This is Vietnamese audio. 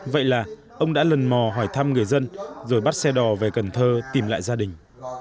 vậy là ông đã lần mò hỏi thăm người dân rồi bắt xe đò về cần thơ tìm lại gia đình